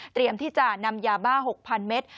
เตรียมที่จะนำยาบ้า๖๐๐๐เมตร